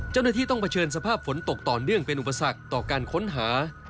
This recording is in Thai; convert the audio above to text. เจ้าหน้าที่ต้องเผชิญสภาพฝนตกต่อเนื่องเป็นอุปสรรคต่อการค้นหา